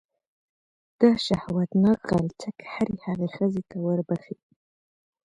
دا شهوتناک غلچک هرې هغې ښځې ته وربښې.